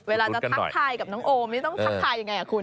เวลาจะทักทายกับน้องโอมนี่ต้องทักทายยังไงคุณ